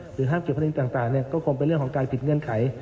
ห้ามเก็บผลิตต่างก็คงเป็นเรื่องของการผิดเงื่อนไข